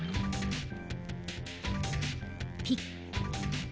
ピッ。